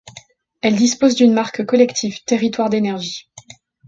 Elle dispose d'une marque collective, Territoire d'énergie.